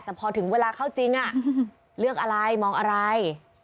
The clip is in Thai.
แต่พอถึงเวลาเข้าจริงเลือกอะไรมองอะไร